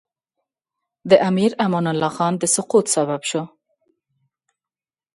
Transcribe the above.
د امیر امان الله خان د سقوط سبب شو.